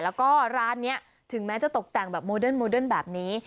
แล้วก็ร้านนี้ถึงแม้จะตกแต่งแบบโมเดิร์โมเดิร์นแบบนี้